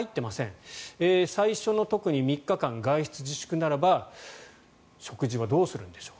特に最初の３日間外出自粛ならば食事はどうするんでしょう。